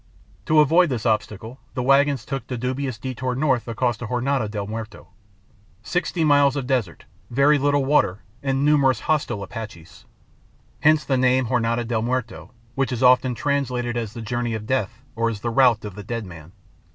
To avoid this obstacle, the wagons took the dubious detour north across the Jornada del Muerto. Sixty miles of desert, very little water, and numerous hostile Apaches. Hence the name Jornada del Muerto, which is often translated as the journey of death or as the route of the dead man.